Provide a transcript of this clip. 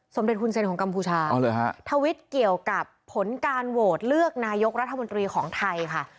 เด็จฮุนเซ็นของกัมพูชาทวิตเกี่ยวกับผลการโหวตเลือกนายกรัฐมนตรีของไทยค่ะ